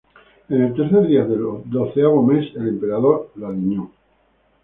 En el tercer día del doceavo mes el Emperador falleció.